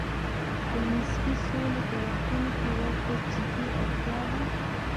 د نسبي سولې په وختونو کې ورته جدي اړتیا ده.